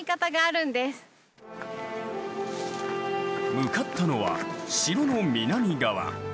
向かったのは城の南側。